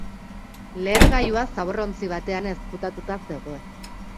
Lehergailua zabor-ontzi batean ezkutatuta zegoen.